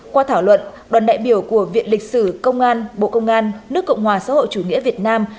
qua thảo luận đoàn đại biểu của viện lịch sử công an bộ công an nước cộng hòa xã hội chủ nghĩa việt nam